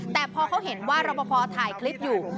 แต่พอเขาเห็นว่ารบพอถ่ายคลิปอยู่